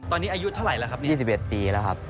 ตอนนี้อายุเท่าไหร่แล้วครับ๒๑ปีแล้วครับ